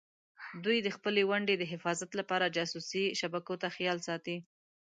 دوی د خپلې ونډې د حفاظت لپاره جاسوسي شبکو ته خیال ساتي.